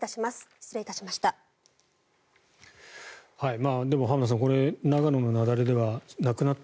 失礼いたしました。